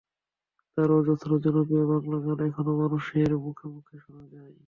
তাঁর অজস্র জনপ্রিয় বাংলা গান এখনো মানুষের মুখে মুখে শোনা যায়।